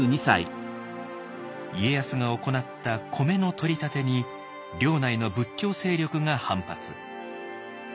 家康が行った米の取り立てに領内の仏教勢力が反発。